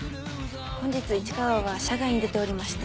本日市川は社外に出ておりまして。